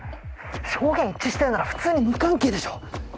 証言一致してるなら普通に無関係でしょ！